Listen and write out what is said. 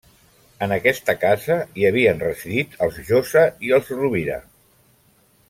En aquesta casa hi havien residit els Josa i els Rovira.